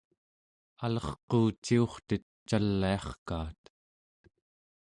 alerquuciurtet caliarkaat